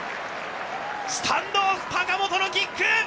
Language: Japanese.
スタンドオフ高本のキック。